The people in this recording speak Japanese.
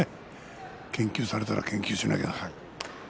研究されたら研究しなければ。